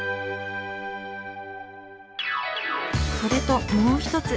それともう一つ。